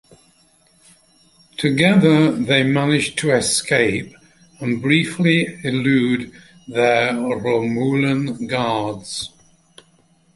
Together, they manage to escape and briefly elude their Romulan guards.